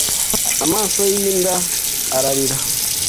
amaso yinda, ararira